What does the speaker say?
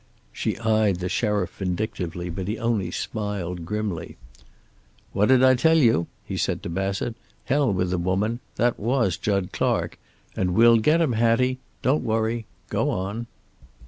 She eyed the sheriff vindictively, but he only smiled grimly. "What did I tell you?" he said to Bassett. "Hell with the women that was Jud Clark. And we'll get him, Hattie. Don't worry. Go on."